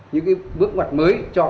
những bước mặt mới cho thông tin